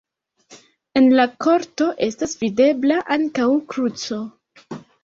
En la korto estas videbla ankaŭ kruco.